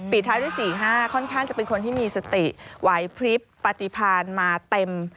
ท้ายที่๔๕ค่อนข้างจะเป็นคนที่มีสติไหวพริบปฏิพาณมาเต็ม